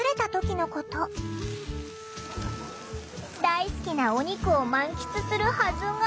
大好きなお肉を満喫するはずが。